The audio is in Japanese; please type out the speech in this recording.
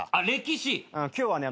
今日はね